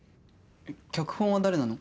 脚本は誰なの？